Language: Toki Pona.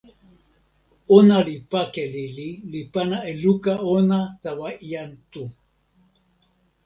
ona li pake lili, li pana e luka ona tawa jan Tu.